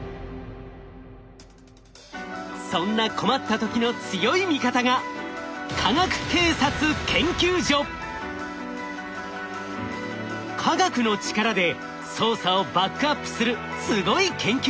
そんな困った時の強い味方が科学の力で捜査をバックアップするすごい研究所なんです。